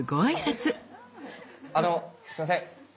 あのすいません。